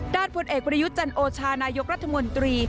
ด้านพลเอกบริยุจันโอชานายกรัฐมนตรี